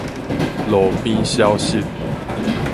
路邊消息